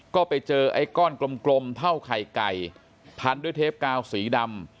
ก็ไปเจอไอ้ก้อนกลมเท่าไข่ไก่พันด้วยเทปกาวสีดำ